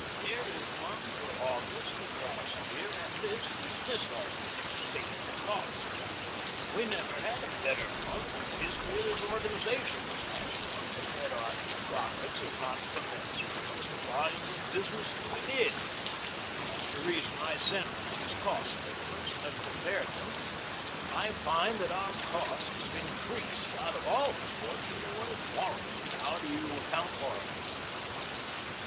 "Here is one for August of last year and this is this August's statement of costs. We never had a better month in the history of this organization than last month, and yet our profits are not commensurate with the volume of business that we did. That's the reason I sent for these cost statements and have compared them, and I find that our costs have increased out of all proportions to what is warranted. How do you account for it?"